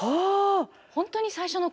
本当に最初のころ。